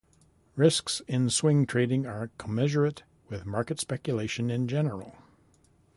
Risks in swing trading are commensurate with market speculation in general.